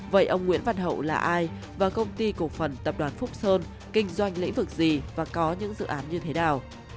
vậy ông nguyễn văn hậu là ai và công ty cổ phần tập đoàn phúc sơn kinh doanh lĩnh vực gì và có những dự án như thế nào